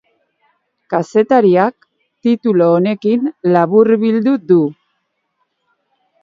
Kazetariak titulu honekin laburbildu du.